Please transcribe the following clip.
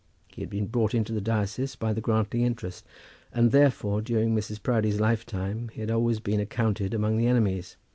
He had been brought into the diocese by the Grantly interest; and therefore, during Mrs. Proudie's life time, he had always been accounted among the enemies.